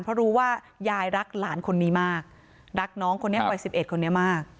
เพราะรู้ว่ายายรักหลานคนนี้มากรักน้องคนนี้วัย๑๑คนนี้มาก